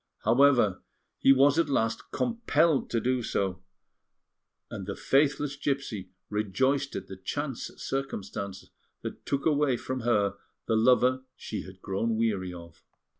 However, he was at last compelled to do so; and the faithless gipsy rejoiced at the chance circumstance that took away from her the lover she had grown weary of.